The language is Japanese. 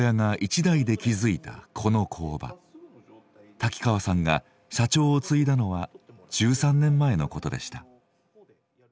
瀧川さんが社長を継いだのは１３年前のことでした。